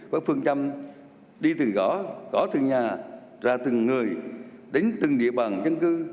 và phương chăm đi từ gõ gõ từ nhà ra từ người đến từng địa bàn dân cư